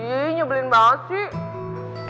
ih nyebelin banget sih